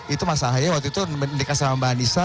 itu mas ahaye waktu itu dekat sama mbak anissa